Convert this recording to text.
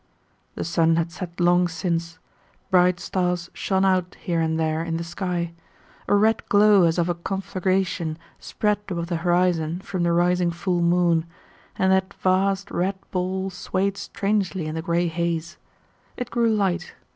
The sun had set long since. Bright stars shone out here and there in the sky. A red glow as of a conflagration spread above the horizon from the rising full moon, and that vast red ball swayed strangely in the gray haze. It grew light.